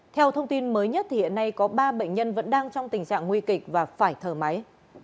theo thông tin mới nhất thì hiện nay có ba bệnh nhân vẫn đang trong tình trạng nguy kịch và phải thở máy